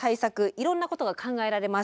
いろんなことが考えられます。